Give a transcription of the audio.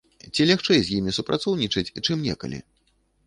Ці лягчэй з імі супрацоўнічаць, чым некалі?